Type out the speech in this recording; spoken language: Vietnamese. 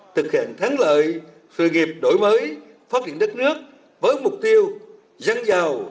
thực hiện thắng lợi sự nghiệp đổi mới phát triển đất nước với mục tiêu dân giàu